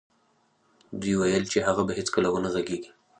دوی ویل چې هغه به هېڅکله و نه غږېږي